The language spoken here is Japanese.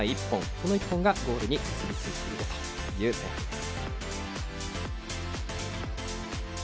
その１本がゴールに結びついているという前半です。